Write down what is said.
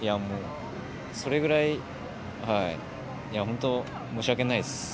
それくらい本当に申し訳ないです。